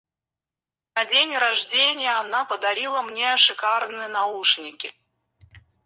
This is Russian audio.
На день рождения она подарила мне шикарные наушники.